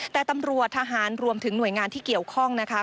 แต่ตำรวจทหารรวมถึงหน่วยงานที่เกี่ยวข้องนะคะ